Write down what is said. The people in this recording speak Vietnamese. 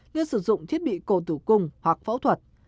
như sử dụng thiết bị cổ tử cung hoặc phẫu thuật